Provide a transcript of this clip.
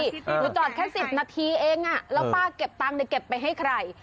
หนูจอดแค่๑๐นาทีเองแล้วป้าเก็บตังค์เก็บไปให้ใคร